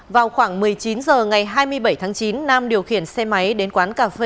vào khoảng một mươi chín h ngày hai mươi bảy tháng chín nam điều khiển xe máy đến quán cà phê